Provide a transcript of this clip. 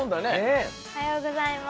おはようございます。